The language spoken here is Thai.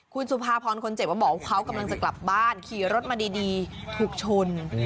คุณสุภาพรคนเจ็บก็บอกว่าเขากำลังจะกลับบ้านขี่รถมาดีถูกชน